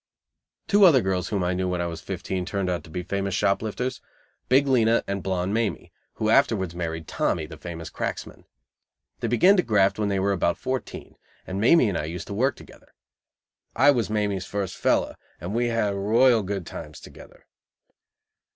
Two other girls whom I knew when I was fifteen turned out to be famous shop lifters Big Lena and Blonde Mamie, who afterwards married Tommy, the famous cracksman. They began to graft when they were about fourteen, and Mamie and I used to work together. I was Mamie's first "fellow," and we had royal good times together.